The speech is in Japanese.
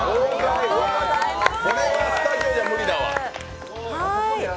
これはスタジオでは無理だわ。